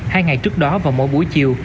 hai ngày trước đó vào mỗi buổi chiều